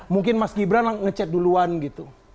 mungkin mas gibran nge check duluan gitu